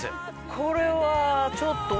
これはちょっと。